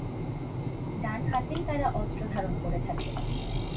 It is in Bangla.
ডান হাতেই তারা অস্ত্র ধারণ করে থাকে।